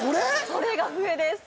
それが笛です